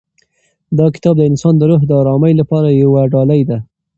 دا کتاب د انسان د روح د ارامۍ لپاره یوه ډالۍ ده.